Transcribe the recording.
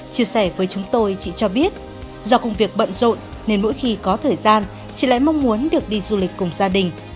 chia sẻ với chúng tôi chị cho biết do công việc bận rộn nên mỗi khi có thời gian chị lại mong muốn được đi du lịch cùng gia đình